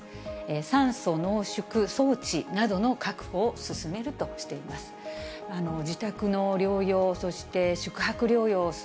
酸素濃縮装置などの確保を進めるとしています。